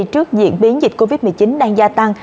trước diễn biến dịch covid một mươi chín đang gia tăng